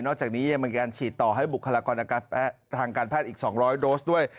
จากนี้ยังมีการฉีดต่อให้บุคลากรทางการแพทย์อีก๒๐๐โดสด้วย